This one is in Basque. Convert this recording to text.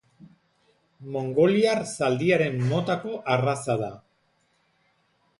Mongoliar zaldiaren motako arraza da.